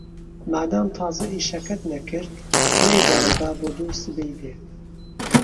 مادام تازە ئیشەکەت نەکرد، لێی گەڕێ با بۆ دووسبەی بێ.